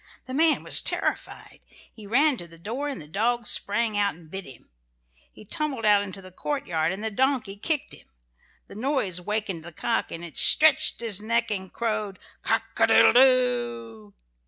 The man was terrified. He ran to the door and the dog sprang out and bit him. He tumbled out into the courtyard and the donkey kicked him. The noise wakened the cock and it stretched its neck and crowed "Cock a doodle doo!"